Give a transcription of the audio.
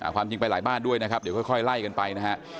ความจริงไปหลายบ้านด้วยนะครับเดี๋ยวค่อยไล่กันไปนะฮะ